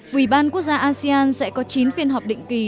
ủy ban quốc gia asean sẽ có chín phiên họp định kỳ